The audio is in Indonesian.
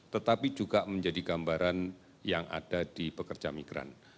tetapi juga menjadi gambaran yang ada di pekerja migran